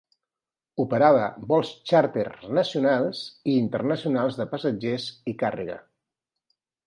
Operava vols xàrter nacionals i internacionals de passatgers i càrrega.